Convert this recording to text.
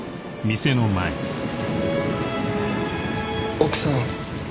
奥さん。